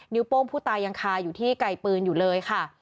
โป้งผู้ตายยังคาอยู่ที่ไกลปืนอยู่เลยค่ะ